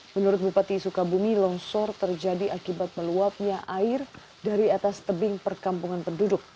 menurut bupati sukabumi longsor terjadi akibat meluapnya air dari atas tebing perkampungan penduduk